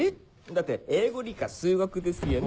だって英語理科数学ですよね